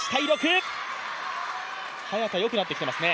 早田、よくなってきてますね。